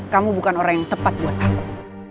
kamu bukan orang yang tepat buat aku